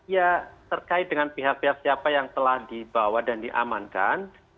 ya terkait dengan pihak pihak siapa yang telah dibawa dan diamankan